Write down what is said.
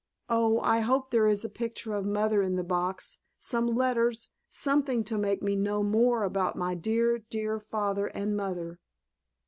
Oh, I hope there is a picture of Mother in the box, some letters, something to make me know more about my dear, dear father and mother!"